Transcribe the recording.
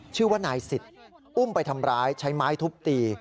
ชื่อว่านายสิทธิ์อุ้มไปทำร้ายใช้ไม้ทุบตี